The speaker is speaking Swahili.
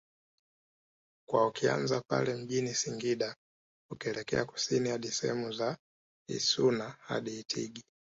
kwa ukianzia pale mjini Singida ukielekea Kusini hadi sehemu za Issuna hadi Itigi